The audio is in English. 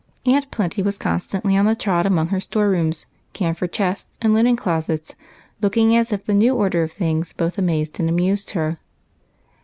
Aunt Plenty was constantly A BELT AND A BOX. 63 on the trot among her store rooms, camphor chests, and linen closets, looking as if the new order of things both amazed and amused her.